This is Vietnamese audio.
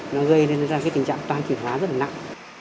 nó gây nên ra tình trạng toàn kỷ hóa rất là nặng